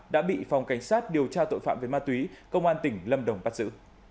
đã bị phòng cảnh sát điều tra tội phạm về ma túy công an tỉnh lâm đồng bắt giữ